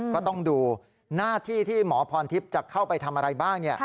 ก็ต้องดูหน้าที่ที่หมอพรทิพย์จะเข้าไปทำอะไรบ้าง